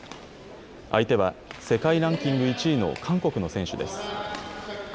相手は世界ランキング１位の韓国の選手です。